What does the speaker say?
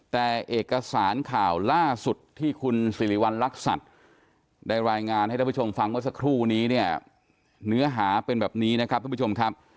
แต่เอกสารข่าวล่าสุดที่คุณสิริวัณรักษัตริย์ได้รายงานให้ท่านผู้ชมฟังเมื่อสักครู่นี้เนี่ยเนื้อหาเป็นแบบนี้นะครับทุกผู้ชมครับ